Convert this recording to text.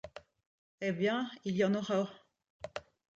Eh bien ! il y en aura.